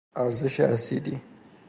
ارزش اسیدی